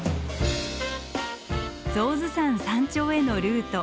象頭山山頂へのルート。